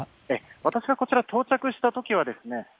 私がこちらに到着したときはですね